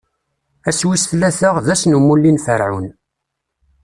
Ass wis tlata, d ass n umulli n Ferɛun.